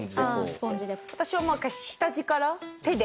私は下地から手で。